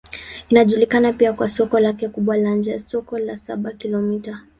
Inajulikana pia kwa soko lake kubwa la nje, Soko la Saba-Kilomita.